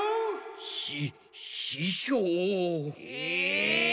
しししょう⁉ええ！